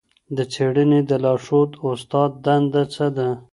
د څېړني د لارښود استاد دنده څه ده؟